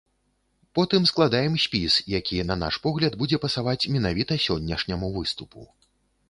Потым складаем спіс, які, на наш погляд, будзе пасаваць менавіта сённяшняму выступу.